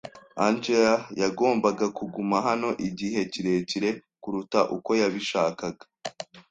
Angella yagombaga kuguma hano igihe kirekire kuruta uko yabishakaga.